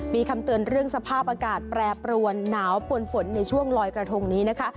มีคำเตือนเรื่องสภาพอากาศแปรปรวนหนาวปวนฝนในช่วงลอยกระทงนี้นะคะ